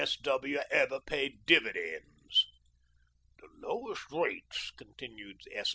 and S. W. ever paid dividends." "The lowest rates," continued S.